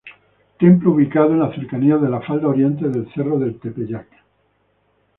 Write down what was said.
Templo ubicado en las cercanías de la falda oriente del cerro del Tepeyac.